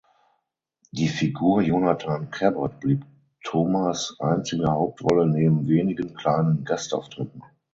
Die Figur Jonathan Cabot blieb Thomas einzige Hauptrolle neben wenigen kleinen Gastauftritten.